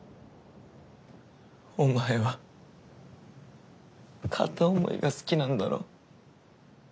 お前は片思いが好きなんだろ？